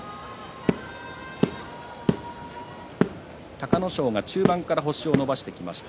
隆の勝が中盤から星を伸ばしてきました。